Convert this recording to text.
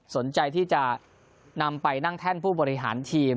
สนใจที่จะนำไปนั่งแท่นผู้บริหารทีม